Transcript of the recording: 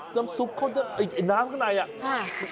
น้ำซุปเขาจะไอ้น้ำข้างในอ่ะ